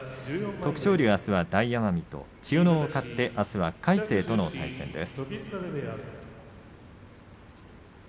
徳勝龍、あすは大奄美戦千代ノ皇は勝ってあすは魁聖との対戦です。